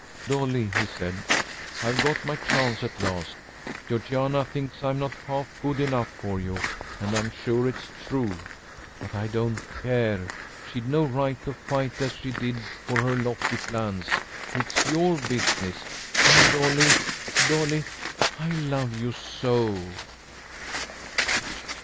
"Dolly," he said, "I've got my chance at last. Georgiana thinks I'm not half good enough for you, and I'm sure it's true, but I don't care, she'd no right to fight as she did for her lofty plans. It's your business. And Dolly Dolly I love you so!"